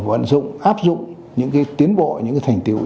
vận dụng áp dụng những tiến bộ những thành tiệu